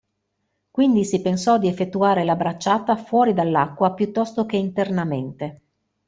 Quindi si pensò di effettuare la bracciata fuori dall'acqua piuttosto che internamente.